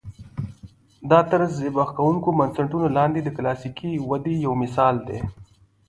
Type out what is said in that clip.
دا تر زبېښونکو بنسټونو لاندې د کلاسیکې ودې یو مثال دی.